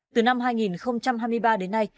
từ năm hai nghìn hai mươi ba đến nay